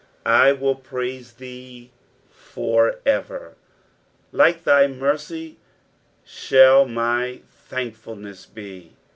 "7 willpraiM thee for eeer." Like thy mercy shall my thankfulness be.